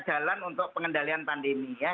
jalan untuk pengendalian pandemi ya